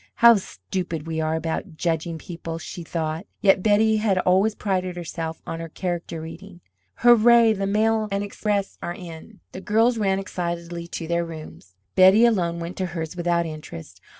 "How stupid we are about judging people!" she thought. Yet Betty had always prided herself on her character reading. "Hurrah, the mail and express are in!" The girls ran excitedly to their rooms. Betty alone went to hers without interest.